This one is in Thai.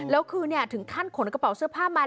แล้วคือถึงขั้นขนกระเป๋าเสื้อผ้ามา